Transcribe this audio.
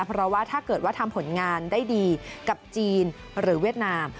เพราะว่าถ้าเกิดว่าทำผลงานได้ดีกับจีนหรือเวียดนาม